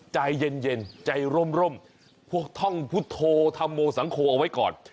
ใจเย็นใจร่มพวกท่องพุทธโธธรรมโมสังคมเอาไว้ก่อน